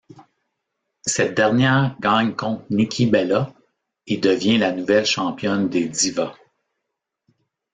Cette dernière gagne contre Nikki Bella, et devient la nouvelle championne des Divas.